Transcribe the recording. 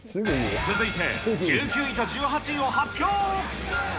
続いて１９位と１８位を発表。